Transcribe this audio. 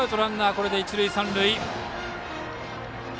これで一塁三塁。